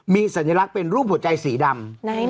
มีสัญลักษณ์เป็นรูปหัวใจสีดำ